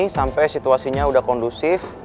sampai situasinya udah kondusif